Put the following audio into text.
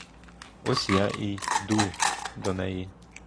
Ось я й іду до неї.